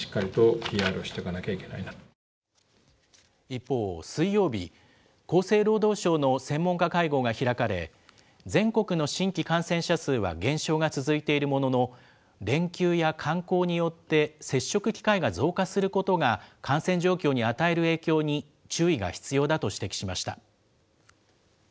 一方、水曜日、厚生労働省の専門家会合が開かれ、全国の新規感染者数は減少が続いているものの、連休や観光によって接触機会が増加することが感染状況に与える影響に注意が必要だと指摘しました。